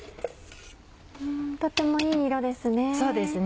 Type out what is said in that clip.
とってもいい色ですね。